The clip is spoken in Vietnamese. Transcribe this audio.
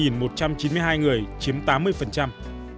một trăm chín mươi hai người chiếm tám mươi